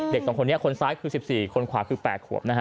๒คนนี้คนซ้ายคือ๑๔คนขวาคือ๘ขวบนะฮะ